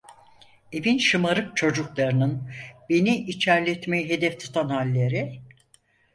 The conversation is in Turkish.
Evin şımarık çocuklarının beni içerletmeyi hedef tutan halleri...